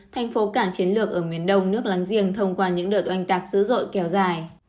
thành phố cảng chiến lược ở miền đông nước láng giềng thông qua những đợt oanh tạc dữ dội kéo dài